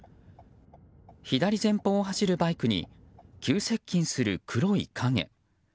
左前方を走るバイクに急接近する黒い影。